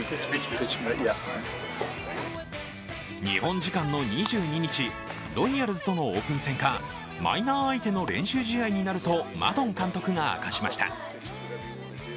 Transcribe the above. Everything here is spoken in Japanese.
日本時間の２２日、ロイヤルズとのオープン戦か、マイナー相手の練習試合になるとマドン監督が明かしました。